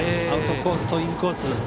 アウトコースとインコース。